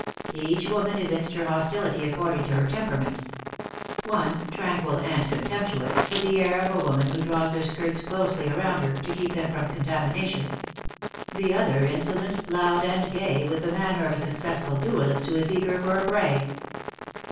Each woman evinced her hostility according to her temperament ; one, tranquil and contemptuous, with the air of a woman who draws her skirts closely around her, to keep them from contami nation — the other insolent, loud and gay, with the manner of a successful duellist who is eager for a fray.